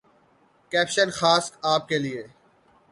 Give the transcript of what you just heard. caption خاص آپ کے لیے